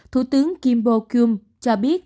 thủ tướng kim bo kyum cho biết